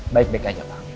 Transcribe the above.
baik baik aja pak